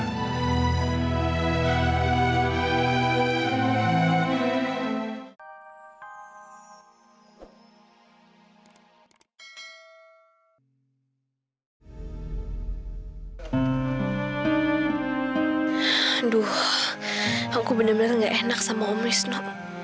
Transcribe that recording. aduh aku bener bener gak enak sama om risno